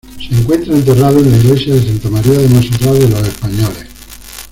Se encuentra enterrado en la Iglesia de Santa María de Montserrat de los Españoles.